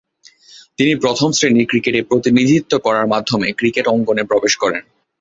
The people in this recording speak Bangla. তিনি প্রথম-শ্রেণীর ক্রিকেটে প্রতিনিধিত্ব করার মাধ্যমে ক্রিকেট অঙ্গনে প্রবেশ করেন।